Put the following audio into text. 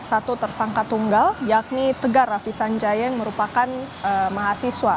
satu tersangka tunggal yakni tegar rafi sanjaya yang merupakan mahasiswa